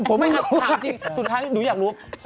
ผมไม่อยากถามจริงสุดท้ายหนูอยากรู้